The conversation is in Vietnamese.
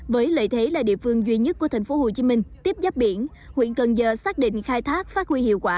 với lợi thế là địa phương duy nhất của tp hcm tiếp giáp biển huyện cần giờ xác định khai thác phát huy hiệu quả